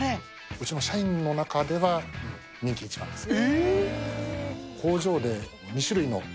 うちの社員の中では人気１番ですね。